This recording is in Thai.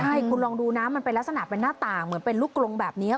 ใช่คุณลองดูนะมันเป็นลักษณะเป็นหน้าต่างเหมือนเป็นลูกกลงแบบนี้